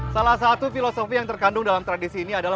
salah satu filosofi yang terkandung adalah